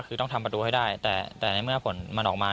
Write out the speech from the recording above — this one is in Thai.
คือต้องทำประตูให้ได้แต่ในเมื่อผลมันออกมา